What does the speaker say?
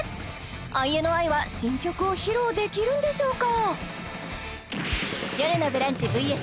ＩＮＩは新曲を披露できるんでしょうか